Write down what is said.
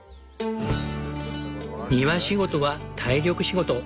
庭仕事は体力仕事。